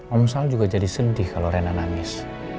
om sal juga jadi sedih kalau rena nangis